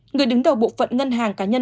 người đứng đầu bộ phận ngân hàng cá nhân